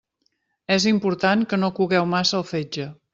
És important que no cogueu massa el fetge.